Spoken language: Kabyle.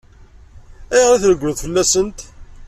Ayɣer i treggleḍ fell-asent?